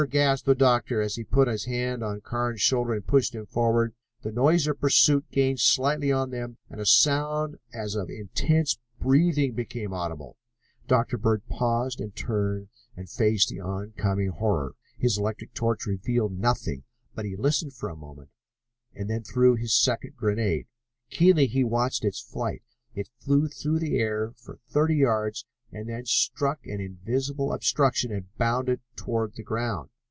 gasped the doctor, as he put his hand on Carnes' shoulder and pushed him forward. The noise of pursuit gained slightly on them, and a sound as of intense breathing became audible. Dr. Bird paused and turned and faced the oncoming horror. His electric torch revealed nothing, but he listened for a moment, and then threw his second grenade. Keenly he watched its flight. It flew through the air for thirty yards and then struck an invisible obstruction and bounded toward the ground.